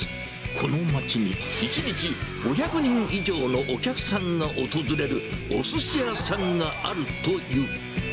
この町に１日５００人以上のお客さんが訪れるおすし屋さんがあるという。